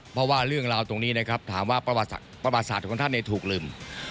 เพราะว่าเรื่องราวตรงนี้นะครับถามว่าประวัติศาสตร์ของท่านถูกลืม